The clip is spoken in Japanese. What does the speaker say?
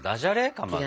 かまど。